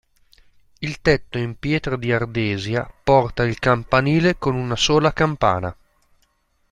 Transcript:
Il tetto in pietra di ardesia porta il campanile con una sola campana.